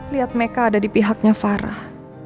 lihat mereka ada di pihaknya farah